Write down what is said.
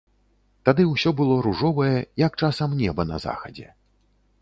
Тады ўсё было ружовае, як часам неба на захадзе.